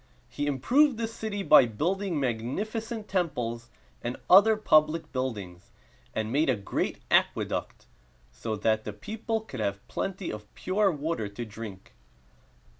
He improved the city by building magnificent temples and other public buildings, and made a great aqueduct, so that the people could have plenty of pure water to drink.